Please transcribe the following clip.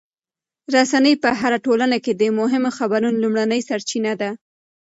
رسنۍ په هره ټولنه کې د مهمو خبرونو لومړنۍ سرچینه ده.